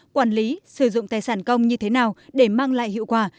quản lý sử dụng tài sản công như thế nào để mang lại hiệu quả